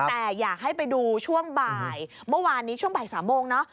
แต่อยากให้ไปดูช่วงบ่ายเมื่อวานนี้ช่วงบ่าย๓โมงเนอะ